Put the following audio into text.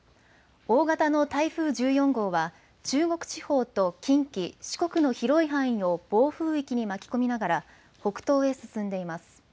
大型の台風１４号は、中国地方と近畿、四国の広い範囲を暴風域に巻き込みながら、北東へ進んでいます。